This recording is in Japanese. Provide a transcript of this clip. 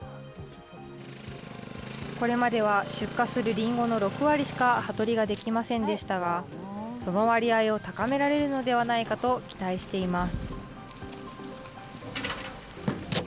これまでは出荷するりんごの６割しか葉取りができませんでしたが、その割合を高められるのではないかと期待しています。